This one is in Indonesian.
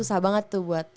itu susah banget tuh buat